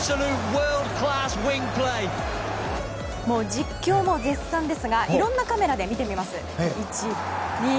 実況も絶賛ですがいろんなカメラで見てみます。